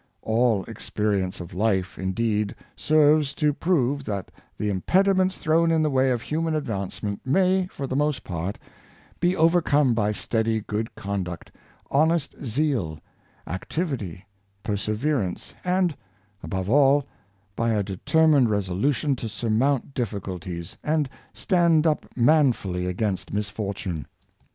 All experience of life, indeed, serves to prove that the impediments thrown in the way of human advance ment may, for the most part, be overcome by steady good conduct, honest zeal, activity, perseverance, and above all, by a determined resolution to surmount dif ficulties, and stand up manfully against misfortune.